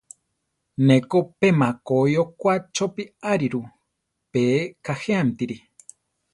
Ne ko pe makói okwá chopí ariru, pe kajéamtiri.